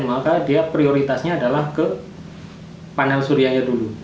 maka dia prioritasnya adalah ke panel surya